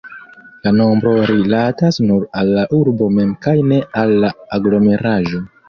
La nombro rilatas nur al la urbo mem kaj ne al la aglomeraĵo.